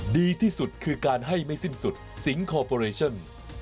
ดีที่สุดคือการให้ไม่สิ้นสุดสิงคอร์ปอเรชั่น